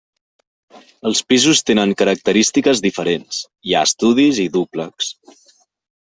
Els pisos tenen característiques diferents: hi ha estudis i dúplex.